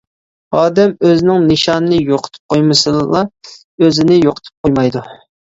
ئادەم ئۆزىنىڭ نىشانىنى يوقىتىپ قويمىسىلا ئۆزىنى يوقىتىپ قويمايدۇ.